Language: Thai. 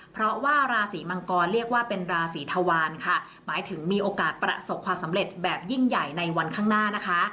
เพราะว่าราศีมังกรเรียกว่าเป็นราศีธวารค่ะหมายถึงมีโอกาสประสบความสำเร็จแบบยิ่งใหญ่ในวันข้างหน้านะคะ